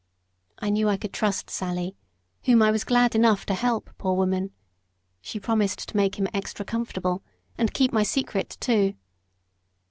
I knew I could trust Sally, whom I was glad enough to help, poor woman! She promised to make him extra comfortable, and keep my secret too.